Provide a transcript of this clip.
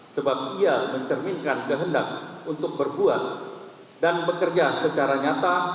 sebab ia mencerminkan kehendak untuk berbuat dan bekerja secara nyata